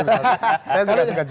saya juga suka cv